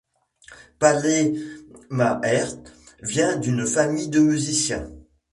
Pallemaerts vient d'une famille de musiciens.